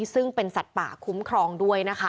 ซึ่งเป็นสัตว์ป่าคุ้มครองด้วยนะคะ